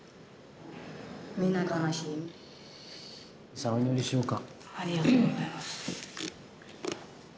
さあお祈りしようか。